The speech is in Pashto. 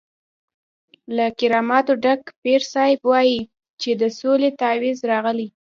له کراماتو ډک پیر صاحب وایي چې د سولې تعویض راغلی.